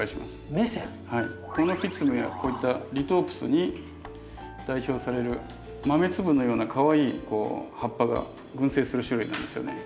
はいコノフィツムやこういったリトープスに代表される豆粒のようなかわいい葉っぱが群生する種類なんですよね。